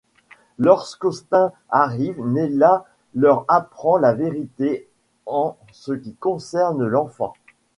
Lorsqu'Austin arrive, Nella leur apprend la vérité en ce qui concerne l'enfant.